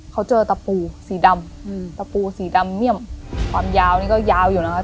เขาเจอตะปูสีดำตะปูสีดำเมี่ยมความยาวนี่ก็ยาวอยู่นะคะ